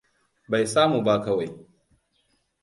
Bai sa mu ba kawai.